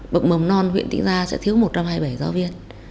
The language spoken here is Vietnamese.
bậc mầm non huyện tĩnh gia sẽ thiếu một trăm hai mươi bảy giáo viên